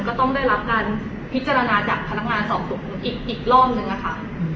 ก็ต้องได้รับการพิจารณาจากพนักงานสอบสวนอีกรอบนึงนะคะ